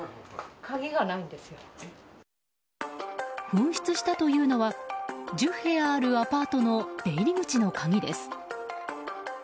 紛失したというのは１０部屋あるアパートの出入り口の鍵です。